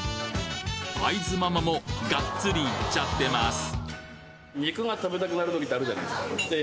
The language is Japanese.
会津ママもガッツリいっちゃってます